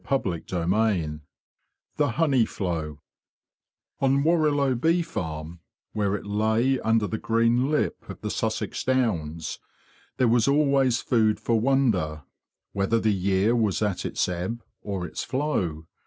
CHAPTER XXII THE HONEY FLOW ON Warrilow Bee Farm, where it lay under the green lip of the Sussex Downs, there was always food for wonder, whether the year was at its ebb or its flow.